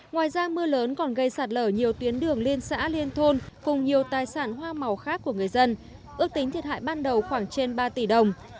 ngoài ra mưa lớn còn gây sạt lở nhiều tuyến đường liên xã liên thôn cùng nhiều tài sản hoa màu khác của người dân ước tính thiệt hại ban đầu khoảng trên ba tỷ đồng